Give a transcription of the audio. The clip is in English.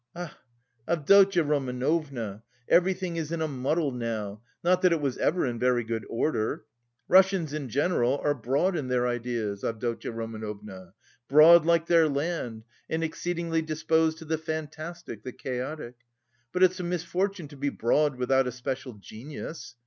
"Ah, Avdotya Romanovna, everything is in a muddle now; not that it was ever in very good order. Russians in general are broad in their ideas, Avdotya Romanovna, broad like their land and exceedingly disposed to the fantastic, the chaotic. But it's a misfortune to be broad without a special genius.